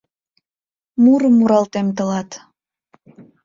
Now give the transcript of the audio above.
Мурым муралтем тылат